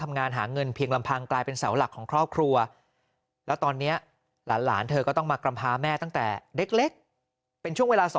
นี้หลานเธอก็ต้องมากรรมพาแม่ตั้งแต่เล็กเป็นช่วงเวลา